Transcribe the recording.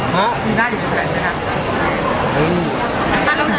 แต่ปีหน้าอยู่มิตเปญไหมฮะ